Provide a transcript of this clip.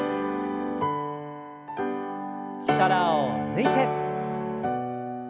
力を抜いて。